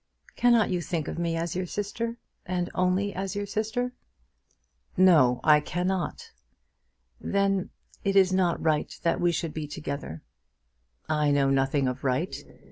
Cannot you think of me as your sister, and only as your sister?" "No; I cannot." "Then it is not right that we should be together." "I know nothing of right.